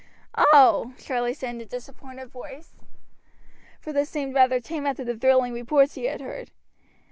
"Oh!" Charlie said in a disappointed voice, for this seemed rather tame after the thrilling reports he had heard.